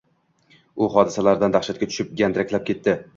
U hodisalardan dahshatga tushib, gandiraklab ketdi.